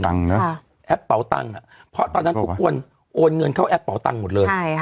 นะฮะแอปเป๋าตังค์อะเพราะตอนนั้นคุณโอ้นเงินเข้าแอเป๋าตังค์หมดเลย